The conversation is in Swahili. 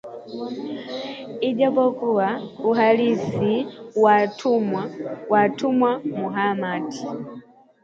Ijapokuwa uhalisia wa Tumwa Muhammad